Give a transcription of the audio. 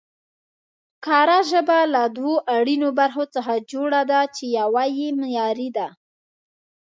کره ژبه له دوو اړينو برخو څخه جوړه ده، چې يوه يې معياري